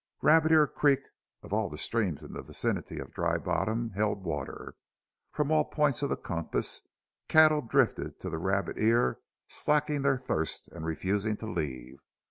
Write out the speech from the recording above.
Rabbit Ear Creek of all the streams in the vicinity of Dry Bottom held water. From all points of the compass cattle drifted to the Rabbit Ear, slaking their thirst and refusing to leave.